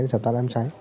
để chập tắt đám cháy